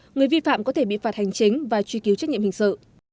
người vi phạm có thể bị phạt hành chính và truy cứu trách nhiệm hình sự